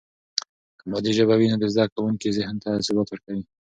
که مادي ژبه وي، نو د زده کوونکي ذهن ته ثبات ورکوي.